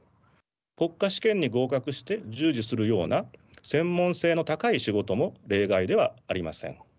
国家試験に合格して従事するような専門性の高い仕事も例外ではありません。